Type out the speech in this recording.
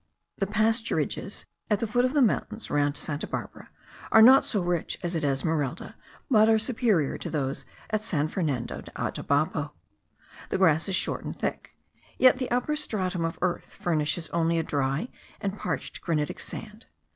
The pasturages at the foot of the mountains round Santa Barbara are not so rich as at Esmeralda, but superior to those at San Fernando de Atabapo. The grass is short and thick, yet the upper stratum of earth furnishes only a dry and parched granitic sand.